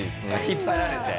引っ張られて？